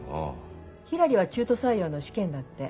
ひらりは中途採用の試験だって。